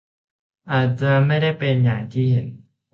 อาจไม่ได้เป็นอย่างที่เห็น